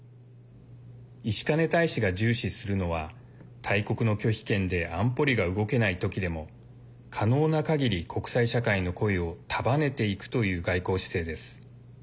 石兼大使が重視するのは大国の拒否権で安保理が動けないときでも可能な限り国際社会の声を束ねていくという外交姿勢です。